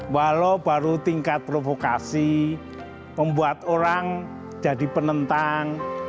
walau baru tingkat provokasi membuat orang jadi penentang